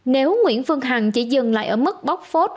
nếu nguyễn phương hằng chỉ dừng lại ở mức bóc phốt